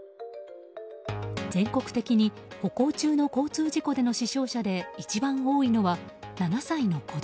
全国的に歩行中の交通事故での死傷者で一番多いのは７歳の子供。